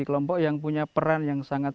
kelompok yang punya peran yang sangat